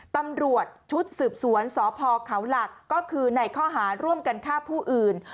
ตำรวจชุดสืบสวนสพเขาหลักก็คือในข้อหาร่วมกันฆ่าผู้อื่น